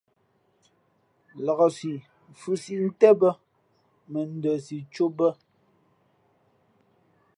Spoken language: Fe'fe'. Laksí fhʉ̄ siʼ ntén bᾱ, mα n ndα si cō bᾱ.